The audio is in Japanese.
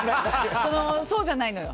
そうじゃないのよ。